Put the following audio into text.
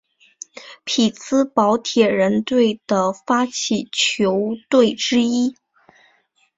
匹兹堡铁人队的发起球队之一。